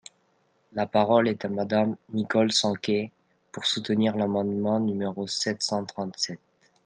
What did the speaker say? La parole est à Madame Nicole Sanquer, pour soutenir l’amendement numéro sept cent trente-sept.